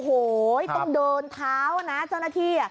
โอ้โหต้องเดินเท้านะเจ้าหน้าที่